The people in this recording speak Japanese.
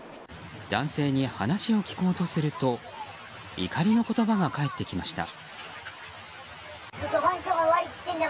男性に話を聞こうとすると怒りの言葉が返ってきました。